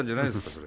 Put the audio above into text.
それ。